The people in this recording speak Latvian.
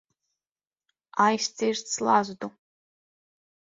Aizcirst slazdu.